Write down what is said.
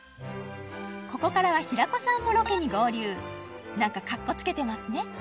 ここからは平子さんもロケに合流何かかっこつけてますね